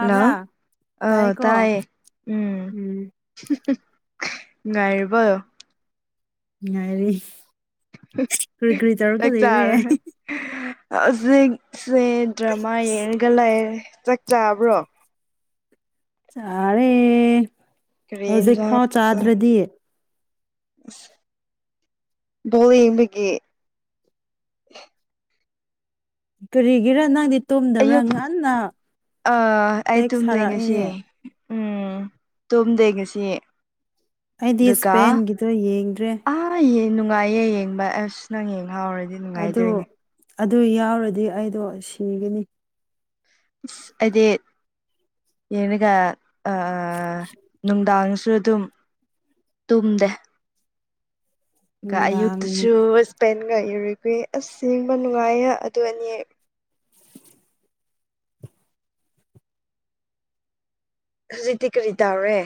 hello ꯑꯣ ꯇꯥꯏꯀꯣ ꯇꯥꯏꯌꯦ ꯎꯝ [unintelligible] ꯅꯨꯉꯥꯏꯔꯤꯕꯣ ꯅꯨꯉꯥꯏꯔꯤ [unintelligible] ꯆꯥꯛ ꯆꯥꯥꯔꯦ ꯍꯧꯖꯤꯛ ꯁꯦ ꯗ꯭ꯔꯃꯥ ꯌꯦꯡꯔꯒ ꯂꯩꯔꯦ ꯆꯥꯛ ꯆꯥꯕ꯭ꯔꯣ ꯆꯥꯔꯦ ꯀꯔꯤ ꯏꯟꯖꯥꯡ ꯍꯧꯖꯤꯛꯐꯥꯎ ꯆꯥ ꯑꯁ ꯆꯥꯗ꯭ꯔꯗꯤ [unintelligible] ꯕꯣꯜ ꯌꯦꯡꯕꯒꯤ ꯀꯔꯤꯒꯤꯔ ꯅꯪꯗꯤ ꯇꯨꯝꯗꯕ꯭ꯔꯥ ꯑꯌꯨꯛ ꯉꯟꯅ ꯑ ꯑꯩ ꯇꯦꯛꯁ ꯇꯨꯝꯗꯩ ꯉꯁꯤ ꯊꯥꯔꯛꯏꯅꯦ ꯎꯝ ꯇꯨꯝꯗꯦ ꯉꯁꯤ ꯑꯩꯗꯤ ꯁꯄꯦꯟꯒꯤꯗꯣ ꯌꯦꯡꯗ꯭ꯔꯦ ꯍꯩꯌꯦ ꯅꯨꯡꯉꯥꯏꯌꯦ ꯌꯦꯡꯕ ꯑꯁ ꯅꯪ ꯌꯦꯡꯍꯥꯎꯔ ꯑꯗꯨ ꯑꯗꯨ ꯌꯥꯎꯔꯗꯤ ꯑꯩꯗꯣ ꯁꯤꯒꯅꯤ ꯏꯁ ꯑꯩꯗꯤ ꯌꯦꯡꯔꯒ ꯑꯥ ꯅꯨꯡꯗꯥꯡꯁꯨ ꯑꯗꯨꯝ ꯇꯨꯝꯗꯦ ꯒ ꯅꯨꯡꯗꯥꯡ ꯑꯌꯨꯛꯇꯨꯁꯨ ꯄꯦꯟꯒ ꯌꯨꯔꯨꯒ꯭ꯋꯦ ꯑꯁ ꯌꯦꯡꯕ ꯅꯨꯡꯉꯥꯏꯌꯦ ꯑꯗꯨ ꯑꯅꯤ ꯍꯧꯖꯤꯛꯇꯤ ꯀꯔꯤ ꯇꯧꯔꯦ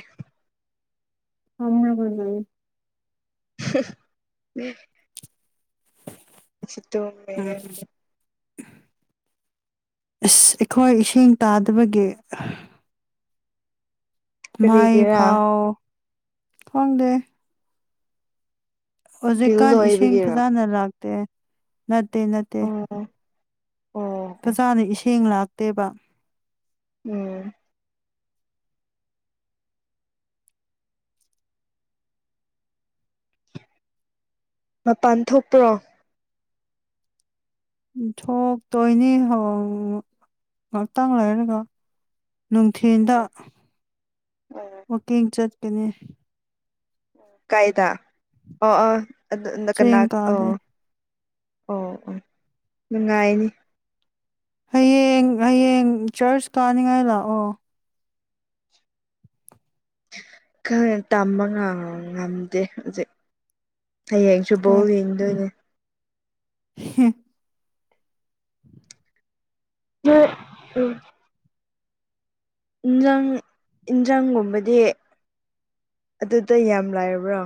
ꯐꯝꯔꯒ ꯂꯩ [inaudible] ꯑꯩꯁꯨ ꯇꯨꯝꯃꯤꯌꯦ ꯏꯁ ꯑꯩꯈꯣꯏ ꯏꯁꯤꯡ ꯇꯥꯗꯕꯒꯤ ꯃꯥꯏ ꯀꯔꯤꯒꯤꯔꯥ ꯐꯥꯎ ꯈꯪꯗꯦ ꯕꯤꯜ ꯍꯧꯖꯤꯛꯀꯥꯟ ꯏꯁꯤꯡ ꯂꯣꯏꯕꯒꯤꯔꯣ ꯐꯖꯅ ꯂꯥꯛꯇꯦ ꯅꯠꯇꯦ ꯅꯠꯇꯦ ꯑꯣ ꯑꯣ ꯑꯣ ꯐꯖꯥꯅ ꯏꯁꯤꯡ ꯂꯥꯛꯇꯦꯕ ꯎꯝ ꯃꯄꯥꯟ ꯊꯣꯛꯄ꯭ꯔꯣ ꯎꯝ ꯊꯣꯛꯇꯣꯏꯅꯤ ꯍꯧ ꯉꯥꯛꯇꯪ ꯂꯩꯔꯒ ꯅꯨꯡꯊꯤꯟꯗ ꯋꯥꯀꯤꯡ ꯆꯠꯀꯅꯤ ꯀꯥꯏꯗ ꯑꯣ ꯑꯣ ꯑꯗꯨ ꯀꯅꯥ ꯆꯦꯡ ꯑꯣ ꯀꯥꯗꯣꯏꯅꯤ ꯑꯣ ꯑꯣ ꯅꯨꯡꯉꯥꯏꯅꯤ ꯍꯌꯦꯡ ꯍꯌꯦꯡ ꯆꯔꯁ ꯀꯥꯅꯤꯡꯉꯥꯏ ꯂꯥꯛꯑꯣ ꯈꯪꯉꯦ ꯇꯝꯕ ꯉꯝꯗꯦ ꯍꯧꯖꯤꯛ ꯍꯌꯦꯡꯁꯨ ꯕꯣꯜ ꯌꯦꯡꯗꯣꯏꯅꯦ ꯍꯝ [unintelligible] ꯅꯪ ꯏꯟꯖꯥꯡꯒꯨꯝꯕꯗꯤ ꯑꯗꯨꯗ ꯌꯥꯝ ꯂꯥꯏꯔꯕ꯭ꯔꯣ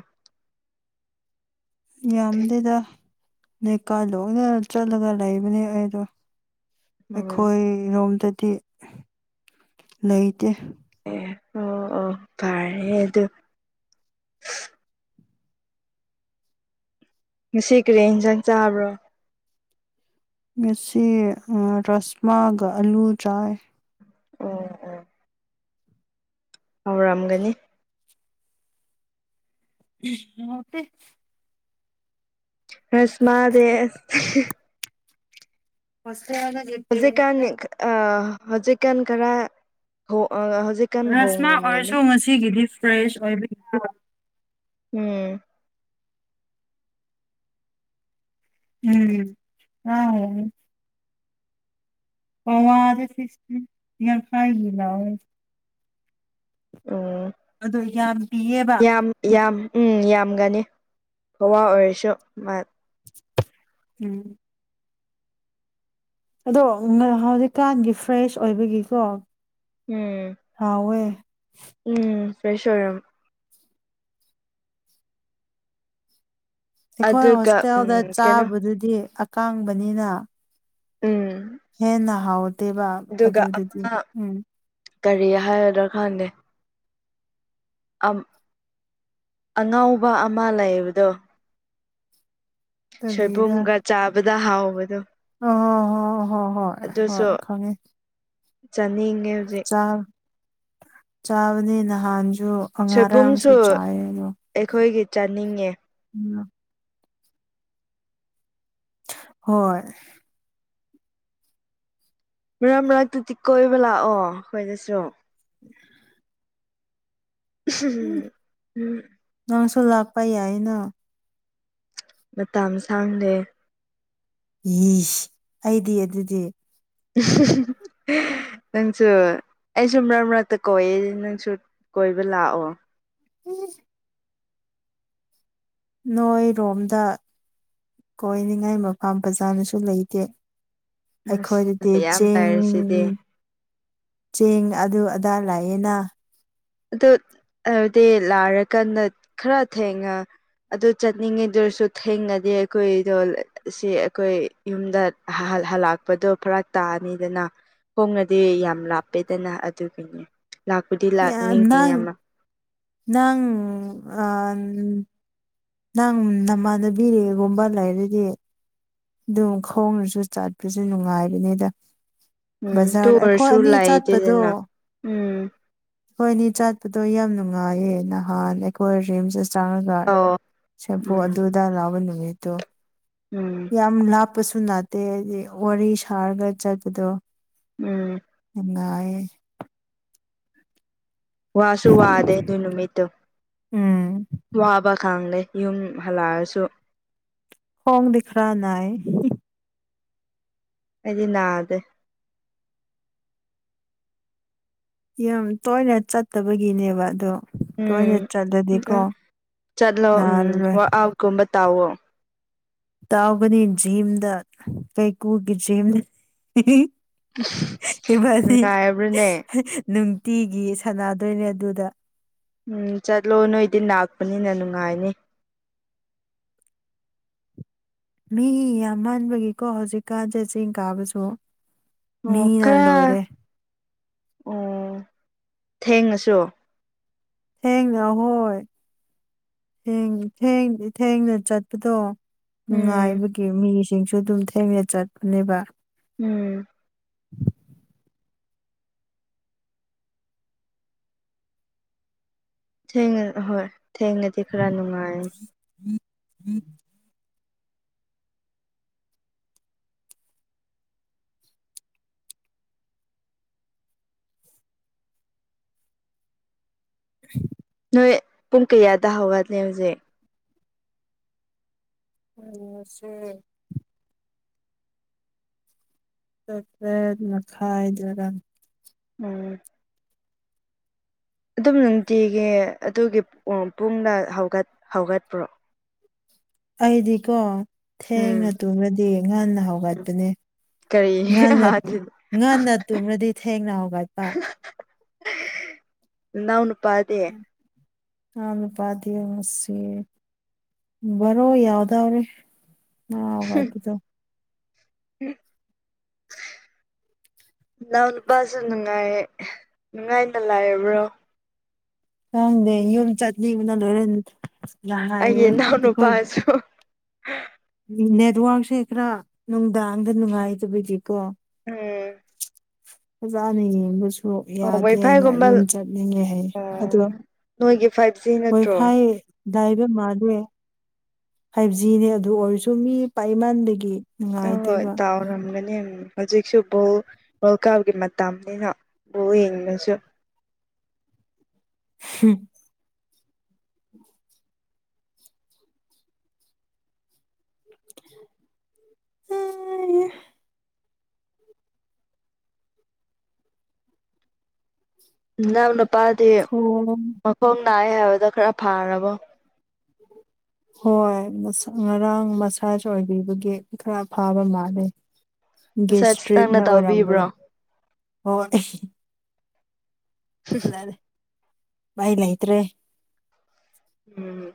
ꯌꯥꯝꯗꯦꯗ ꯂꯩꯀꯥꯏ ꯂꯣꯏꯅ ꯆꯠꯂꯒ ꯂꯩꯕꯅꯦ ꯑꯩꯗꯣ ꯎꯝ ꯑꯩꯈꯣꯏ ꯔꯣꯝꯗꯗꯤ ꯂꯩꯇꯦ ꯑꯦ ꯑꯣ ꯑꯣ ꯐꯔꯦ ꯑꯗꯨ ꯉꯁꯤ ꯀꯔꯤ ꯏꯟꯖꯥꯡ ꯆꯥꯕ꯭ꯔꯣ ꯉꯁꯤ ꯔꯥꯁꯃꯒ ꯑꯥꯂꯨ ꯆꯥꯏ ꯑꯣ ꯑꯣ ꯍꯥꯎꯔꯝꯒꯅꯤ ꯍꯥꯎꯇ‌ꯦ ꯔꯁꯃꯥꯗꯦ [unintelligible] ꯍꯧꯖꯤꯛꯀꯥꯟ ꯑ ꯍꯧꯖꯤꯛꯀꯥꯟ ꯈꯔ ꯑ ꯍꯧꯖꯤꯛ ꯔꯁꯃꯥ ꯑꯣꯏꯔꯁꯨ ꯉꯁꯤꯒꯤꯗꯤ ꯐ꯭ꯔꯦꯁ ꯑꯣꯏꯕꯒꯤ ꯀ‌ꯣ ꯎꯝ ꯎꯝ [unintelligible] ꯄꯋꯥꯗ ꯐꯤꯞꯇꯤ ꯌꯦꯈꯥꯏꯒꯤ ꯂꯥꯎꯑꯦ ꯎꯝ ꯑꯗꯨ ꯌꯥꯝ ꯄꯤꯌꯦꯕ ꯌꯥꯝ ꯌꯥꯝ ꯎꯝ ꯌꯥꯝꯒꯅꯤ ꯄꯋꯥ ꯑꯣꯏꯔꯁꯨ ꯃ ꯎꯝ ꯑꯗꯣ ꯉ ꯍꯧꯖꯤꯛꯀꯥꯟꯒꯤ ꯐ꯭ꯔꯦꯁ ꯑꯣꯏꯕꯒꯤꯀꯣ ꯎꯝ ꯍꯥꯎꯋꯦ ꯎꯝ ꯐ꯭ꯔꯦꯁ ꯑꯣꯏꯔꯝ ꯑꯩꯈꯣꯏ ꯑꯗꯨꯒ ꯍꯣꯁꯇꯦꯜꯗ ꯎꯝ ꯀꯩꯅꯣ ꯆꯥꯕꯗꯨꯗꯤ ꯑꯀꯪꯕꯅꯤꯅ ꯎꯝ ꯍꯦꯟꯅ ꯍꯥꯎꯗꯦꯕ ꯑꯗꯨꯒ ꯑꯗꯨꯗꯨꯗꯤ ꯑꯃ ꯎꯝ ꯀꯔꯤ ꯍꯥꯏꯔꯗ꯭ꯔꯥ ꯈꯪꯗꯦ ꯑꯝ ꯑꯉꯧꯕ ꯑꯃ ꯂꯩꯕꯗꯣ ꯀꯔꯤꯔ ꯁꯣꯏꯕꯨꯝꯒ ꯆꯥꯕꯗ ꯍꯥꯎꯕꯗꯣ ꯑꯣ ꯍꯣ ꯍꯣꯏ ꯍꯣꯏ ꯍꯣꯏ ꯈꯪꯉꯦ ꯆꯥꯅꯤꯡ ꯆꯥ ꯆꯥꯕꯅꯤ ꯅꯍꯥꯟꯁꯨ ꯁꯣꯏꯕꯨꯝꯁꯨ ꯉꯔꯥꯡꯁꯨ ꯆꯥꯏꯌꯦ ꯑꯗꯣ ꯑꯩꯈꯣꯏꯒꯤ ꯆꯥꯅꯤꯡꯉꯦ ꯎꯝ ꯍꯣꯏ ꯃꯔꯛ ꯃꯔꯛꯇꯨꯗꯤ ꯀꯣꯏꯕ ꯂꯥꯛꯑꯣ ꯑꯩꯈꯣꯏꯗꯁꯨ [inaudible] ꯎꯝ ꯅꯪꯁꯨ ꯂꯥꯛꯄ ꯌꯥꯏꯅ ꯃꯇꯝ ꯁꯥꯡꯗꯦ ꯌꯤꯁ ꯑꯩꯗꯤ ꯑꯗꯨꯗꯤ [unintelligible] ꯅꯪꯁꯨ ꯑꯩꯁꯨ ꯃꯔꯛ ꯃꯔꯛꯇ ꯀꯣꯏꯌꯦ ꯅꯪꯁꯨ ꯀꯣꯏꯕ ꯂꯥꯛꯑꯣ ꯎ ꯅꯣꯏꯔꯣꯝꯗ ꯀꯣꯏꯅꯤꯡꯉꯥꯏ ꯃꯐꯝ ꯐꯖꯕꯁꯨ ꯂꯩꯇꯦ ꯑꯁ ꯑꯩꯈꯣꯏꯗꯗꯤ ꯃꯌꯥꯝ ꯆꯤꯡ ꯂꯩꯔꯤꯁꯤꯗꯤ ꯆꯤꯡ ꯑꯗꯨ ꯑꯗꯥ ꯂꯩꯑꯦꯅꯥ ꯑꯗꯨ ꯑꯗꯨꯗꯤ ꯂꯥꯏꯔꯀꯥꯟꯗ ꯈꯔ ꯊꯦꯡꯉ ꯑꯗꯨ ꯆꯠꯅꯤꯡꯉꯤꯗꯨꯏꯔꯁꯨ ꯊꯦꯡꯅꯗꯦ ꯑꯩꯈꯣꯏꯗꯣ ꯁꯤ ꯑꯩꯈꯣꯏ ꯌꯨꯝꯗ ꯍꯜ ꯍꯜꯂꯛꯄꯗꯣ ꯐꯔꯛ ꯇꯥꯅꯤꯗꯅꯥ ꯍꯣꯡꯉꯗꯤ ꯌꯥꯝ ꯂꯥꯞꯄꯦꯗꯅ ꯑꯗꯨꯒꯤꯅꯦ ꯂꯥꯛꯄꯨꯗꯤ ꯌꯥ ꯂꯥꯛꯅꯤꯡꯉꯤ ꯅꯪ ꯑꯃ ꯅꯪꯪ ꯑ ꯅꯪ ꯅꯃꯥꯟꯅꯕꯤꯒꯨꯝꯕ ꯂꯩꯔꯗꯤ ꯑꯗꯨꯝ ꯈꯣꯡꯅꯁꯨ ꯆꯠꯄꯁꯨ ꯅꯨꯡꯉꯥꯏꯕꯅꯤꯗ ꯎꯝ ꯇꯨ ꯕꯖꯥꯔ ꯑꯩꯈꯣꯏ ꯑꯣꯏꯔꯁꯨ ꯑꯅꯤ ꯂꯩꯇꯦꯗꯅ ꯎꯝ ꯍꯣꯏꯅꯦ ꯆꯥꯠꯄꯗꯣ ꯌꯥꯝ ꯅꯨꯡꯉꯥꯏꯌꯦ ꯅꯍꯥꯟ ꯑꯩꯈꯣꯏ ꯔꯤꯝꯁ ꯆꯥꯡꯉꯒ ꯑꯣ ꯁꯦꯝꯄꯨ ꯎꯝ ꯑꯗꯨꯗꯥ ꯂꯥꯎꯕ ꯅꯨꯃꯤꯠꯇꯨ ꯎꯝ ꯌꯥꯝ ꯂꯥꯞꯄꯁꯨ ꯅꯥꯠꯇꯦ ꯍꯥꯏꯗꯤ ꯋꯥꯔꯤ ꯁꯥꯔꯒ ꯆꯠꯄꯗꯣ ꯎꯝ ꯅꯨꯉꯥꯏꯌꯦ ꯋꯥꯁꯨꯨ ꯋꯥꯗꯦ ꯑꯗꯨ ꯅꯨꯃꯤꯠꯇꯣ ꯎꯝ ꯋꯥꯕ ꯈꯪꯗꯦ ꯌꯨꯝ ꯍꯜꯂꯛꯑꯁꯨ ꯈꯣꯡꯗꯤ ꯈꯔꯥ ꯅꯥꯏ ꯑꯩꯗꯤ ꯅꯥꯗꯦ ꯌꯥꯝ ꯇꯣꯏꯅ ꯆꯠꯇꯕꯒꯤꯅꯦꯕ ꯑꯗꯣ ꯇꯣꯏꯅ ꯎꯝ ꯆꯠꯂꯗꯤꯀꯣ ꯎꯝ ꯆꯠꯂꯣ ꯎꯝ ꯅꯥꯔꯔꯣꯏ ꯋꯥꯛ ꯑꯥꯎꯠꯀꯨꯝꯕ ꯇꯥꯎꯋꯣ ꯇꯥꯎꯒꯅꯤ ꯖꯤꯝꯗ ꯀꯩꯀꯨꯒꯤ ꯖꯤꯝ ꯏꯕꯥꯅꯤ ꯅꯨꯡꯉꯥꯏꯕ꯭ꯔꯅꯦ ꯅꯨꯡꯇꯤꯒꯤ ꯁꯥꯟꯅꯗꯣꯏꯅꯦ ꯑꯗꯨꯗ ꯎꯝ ꯆꯠꯂꯣ ꯅꯣꯏꯗꯤ ꯅꯥꯛꯄꯅꯤꯅ ꯅꯨꯡꯉꯥꯏꯅꯤ ꯃꯤ ꯌꯥꯝꯃꯟꯕꯒꯤꯀꯣ ꯍꯧꯖꯤꯛꯀꯥꯟ ꯖꯦ ꯆꯤꯡ ꯀꯥꯕꯖꯨ ꯑꯣ ꯈꯔ ꯑꯣ ꯊꯦꯡꯉꯁꯨ ꯊꯦꯡꯅ ꯑꯍꯣꯏ ꯊꯦꯡ ꯊꯦꯡꯗꯤ ꯊꯦꯡꯅ ꯆꯠꯄꯗꯣ ꯎꯝ ꯅꯨꯡꯉꯥꯏꯕꯒꯤ ꯃꯤꯁꯤꯡꯁꯨ ꯑꯗꯨꯝ ꯊꯦꯡꯅ ꯆꯠꯄꯅꯦꯕ ꯎꯝ [inaudible] ꯊꯦꯡꯅ ꯑꯍꯣꯏ ꯊꯦꯡꯅꯗꯤ ꯈꯔ ꯅꯨꯡꯉꯥꯏ [inaudible] [inaudible] ꯅꯣꯏ ꯄꯨꯡ ꯀꯌꯥꯗ ꯍꯧꯒꯠꯂꯦ ꯍꯨꯖꯤꯛ [unintelligible] ꯇ꯭ꯔꯦꯠ ꯃꯈꯥꯏꯗꯔꯥ ꯎꯝ ꯑꯗꯨꯝ ꯅꯨꯡꯇꯤꯒꯤ ꯑꯗꯨꯒꯤ ꯄꯨꯡꯗ ꯍꯧꯒꯠ ꯍꯧꯒꯠꯄ꯭ꯔꯣ ꯑꯩꯗꯤꯀꯣ ꯊꯦꯡꯅ ꯎꯝ ꯇꯨꯝꯔꯗꯤ ꯉꯟꯅ ꯍꯧꯒꯠꯄꯅꯦ ꯀꯔꯤ ꯉꯟꯅ ꯉꯟꯅ ꯇꯨꯝꯔꯗꯤ ꯊꯦꯡꯅ ꯍꯥꯎꯒꯠꯄ ꯅꯅꯥꯎ ꯅꯨꯄꯥꯗꯤ ꯏꯅꯥꯎ ꯅꯨꯄꯥꯗꯤ ꯉꯁꯤ ꯕꯣꯔꯣ ꯌꯥꯎꯗꯥꯔꯤ ꯍꯝ [inaudible] ꯏꯅꯥꯎ ꯅꯨꯄꯥꯁꯨ ꯅꯨꯡꯉꯥꯏꯌꯦ ꯅꯨꯡꯉꯥꯏꯅ ꯂꯥꯏꯕ꯭ꯔꯣ ꯈꯪꯗꯦ ꯌꯨꯝ ꯆꯠꯅꯤꯡꯕꯅ ꯂꯣꯏꯔꯦꯟ ꯑꯩꯒꯤ ꯏꯅꯥꯎ ꯅꯨꯄꯥꯁꯨ ꯅꯦꯠꯋꯥꯔꯛꯁꯦ ꯈꯔ ꯅꯨꯡꯗꯥꯡꯗ ꯅꯨꯡꯉꯥꯏꯗꯕꯗꯤꯀꯣ ꯎꯝ ꯐꯖꯅ ꯌꯦꯡꯕꯁꯨ [unintelligible] ꯑꯣ ꯌꯥꯗꯦ ꯍꯥꯏꯅ ꯋꯥꯏꯐꯥꯏꯒꯨꯝꯕ ꯌꯨꯝ ꯆꯠꯅꯤꯡꯉꯦ ꯍꯥꯏ ꯑꯗꯨ ꯑꯣ ꯅꯣꯏꯒꯤ ꯐꯥꯏꯚ ꯖꯤ ꯅꯠꯇ꯭ꯔꯣ ꯗꯥꯏꯕ ꯃꯥꯜꯂꯦ ꯐꯥꯏꯚ ꯖꯤꯅꯦ ꯑꯗꯨ ꯑꯣꯏꯔꯁꯨ ꯃꯤ ꯄꯥꯏꯃꯥꯟꯕꯒꯤ ꯑꯣ ꯍꯣꯏ ꯇꯥꯎꯔꯝꯒꯅꯤ ꯑꯝ ꯍꯧꯖꯤꯛꯁꯨ ꯕꯣꯜ ꯋꯥꯔꯜ ꯀꯥꯞꯀꯤ ꯃꯇꯝꯅꯤꯅ ꯕꯣꯜ ꯌꯦꯡꯉꯁꯨ ꯍꯝ [unintelligible] ꯏꯅꯥꯎ ꯅꯨꯄꯥꯗꯤ ꯈꯣꯡ ꯃꯈꯣꯡ ꯅꯥꯏ ꯍꯥꯏꯕꯗꯣ ꯈꯔ ꯐꯥꯔꯕꯣ ꯍꯣꯏ ꯉꯔꯥꯡ ꯃꯁꯥꯖ ꯑꯣꯏꯕꯤꯕꯒꯤ ꯈꯔ ꯐꯥꯕ ꯃꯥꯂꯦ ꯃꯁꯥꯁ ꯅꯪꯅ ꯒꯦꯁꯇ꯭ꯔꯤꯛꯅ ꯑꯣꯏꯔꯝꯕꯣꯏ ꯇꯧꯕꯤꯕ꯭ꯔꯣ ꯍꯣꯏ ꯁꯂꯗꯦ ꯥꯏ ꯂꯣꯏꯇ꯭ꯔꯦ ꯎꯝ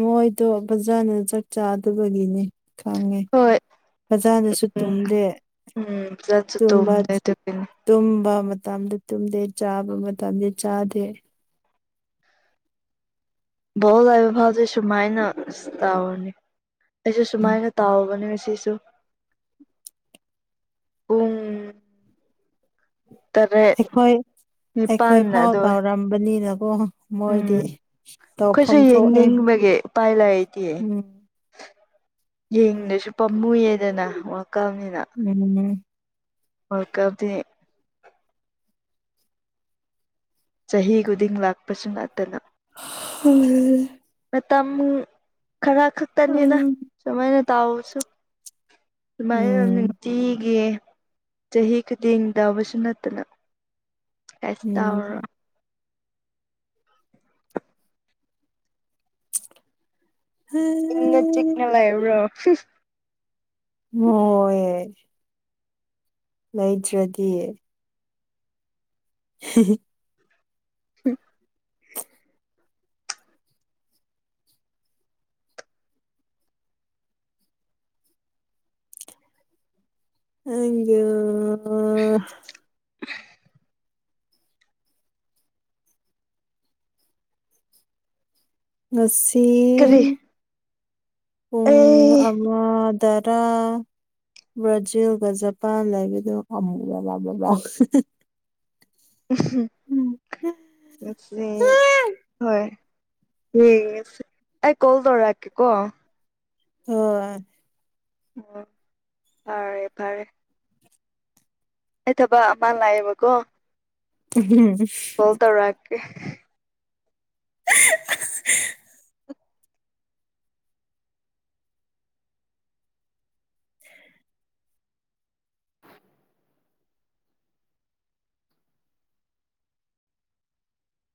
ꯃꯣꯏꯗꯣ ꯐꯖꯅ ꯆꯥꯛ ꯆꯥꯗꯕꯒꯤꯅꯦ ꯈꯪꯉꯦ ꯍꯣꯏ ꯐꯖꯥꯗꯁꯨ ꯎꯝ ꯇꯨꯝꯗꯦ ꯇꯨꯝꯕ [unintelligible] ꯇꯨꯝꯕ ꯃꯇꯝꯗ ꯇꯨꯝꯗꯦ ꯆꯥꯕ ꯃꯇꯝꯗꯤ ꯆꯥꯗꯦ [unintelligible] ꯐꯥꯎꯗꯤ ꯁꯨꯃꯥꯏꯅ ꯇꯧꯔꯤꯅꯤ ꯑꯩꯁꯨ ꯁꯨꯃꯥꯏꯅ ꯇꯥꯎꯕꯅꯦ ꯁꯤꯁꯨ ꯄꯨꯡ ꯇꯔꯦꯠ ꯅꯤꯄꯥꯟ ꯑꯗꯣꯏ ꯇꯥꯝꯕꯅꯤꯅꯀꯣ ꯃꯣꯏꯗꯤ ꯑꯩꯈꯣꯏꯁꯨ ꯇꯧꯐꯝ ꯊꯣꯛꯑꯦ ꯌꯦꯡꯅꯤꯡꯕꯒꯤ ꯎꯄꯥꯏ ꯂꯩꯇꯤꯌꯦ ꯎꯝ ꯌꯦꯡꯗꯁꯨ ꯄꯥꯝꯃꯨꯌꯦꯗꯅ ꯋꯥꯀꯞꯅꯤꯅ ꯎꯝ ꯋꯥꯜꯀꯞꯇꯤ ꯆꯍꯤ ꯈꯨꯗꯤꯡ ꯂꯥꯛꯄꯁꯨ ꯅꯠꯇꯅ [unintelligible] ꯃꯇꯝ ꯈꯔ ꯈꯛꯇꯅꯤꯗ ꯎꯝ ꯁꯃꯥꯏꯅ ꯇꯥꯎꯁꯨ ꯁꯨꯃꯥꯏꯅ ꯅꯨꯡꯇꯤꯒꯤ ꯆꯍꯤ ꯈꯨꯗꯤꯡ ꯇꯎꯕꯁꯨ ꯅꯠꯇꯅ ꯀꯩꯁꯨ ꯎꯝ ꯇꯧꯔꯔꯣꯏ ꯏꯪꯅ ꯆꯤꯛꯅ ꯂꯩꯔꯨꯔꯣ ꯃꯣꯏ ꯂꯩꯗ꯭ꯔꯗꯤ [unintelligible] [unintelligible] [unintelligible] ꯉꯁꯤ ꯀꯔꯤ ꯄꯨꯡ ꯑꯩ ꯑꯃꯗꯔꯥ ꯕ꯭ꯔꯥꯖꯤꯜꯒ ꯖꯄꯥꯟ ꯂꯩꯕꯗꯨ ꯑꯃꯨꯒ ꯂ ꯂꯥꯎ ꯍꯣꯏ ꯎꯝ ꯑꯩ ꯀꯣꯜ ꯇꯧꯔꯔꯀꯦ ꯀꯣ ꯍꯣꯏ ꯎꯝ ꯐꯔꯦ ꯐꯔꯦ ꯑꯩ ꯊꯕꯛ ꯑꯃ ꯂꯥꯛꯑꯦꯕꯀꯣ ꯀꯣꯜ [unintelligible] [unintelligible] [unintelligible]